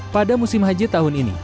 pada musim haji tahun ini